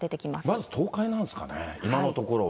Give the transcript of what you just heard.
まず東海なんですかね、今のところは。